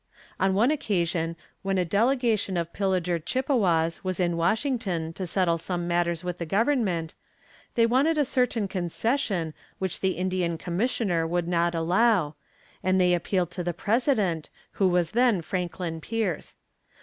On one occasion, when a delegation of Pillager Chippewas was in Washington to settle some matters with the government, they wanted a certain concession which the Indian commissioner would not allow, and they appealed to the president, who was then Franklin Pierce.